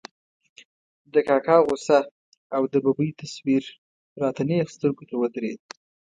د کاکا غوسه او د ببۍ تصویر را ته نېغ سترګو ته ودرېد.